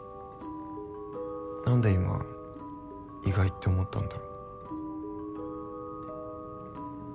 なんで今意外って思ったんだろう。